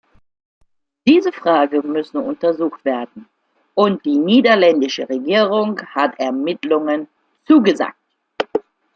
Diese Fragen müssen untersucht werden, und die niederländische Regierung hat Ermittlungen zugesagt.